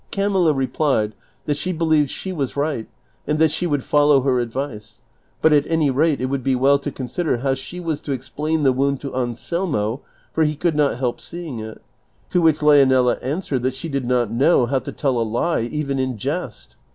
Camilla replied that she believed she was right and that she would follow her advice, but at any rate it would be well to consider how she was to explain the wound to Anselmo, for he could not help seeing it; to which Leonela answered that she did not know how to tell a lie even in jest.